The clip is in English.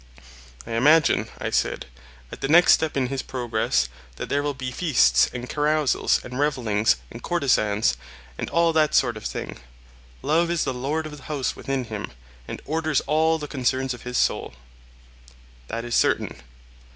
I imagine, I said, at the next step in his progress, that there will be feasts and carousals and revellings and courtezans, and all that sort of thing; Love is the lord of the house within him, and orders all the concerns of his soul. That is certain.